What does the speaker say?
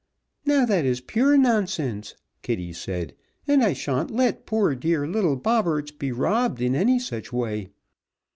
"Now, that is pure nonsense," Kitty said, "and I sha'n't let poor, dear little Bobberts be robbed in any such way.